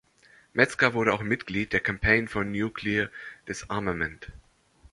Metzger wurde auch Mitglied der Campaign for Nuclear Disarmament.